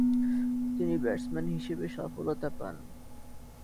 তিনি ব্যাটসম্যান হিসেবে সফলতা পান।